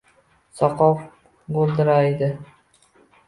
Soqov g’o’ldiraydi